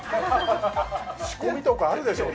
仕込みとかあるでしょう